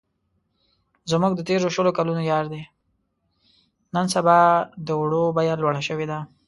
نن سبا د وړو بيه لوړه شوې ده.